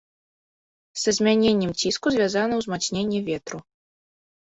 Са змяненнем ціску звязана ўзмацненне ветру.